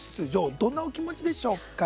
どんなお気持ちでしょうか？